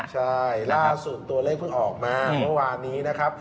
ใช่ล่าสุดตัวเลขเพิ่งออกมาเมื่อวานนี้นะครับ